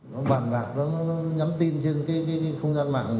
nó bàn bạc nó nhắn tin trên cái không gian mạng